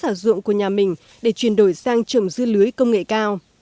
đồng ruộng của nhà mình để chuyển đổi sang trồng dưa lưới công nghệ cao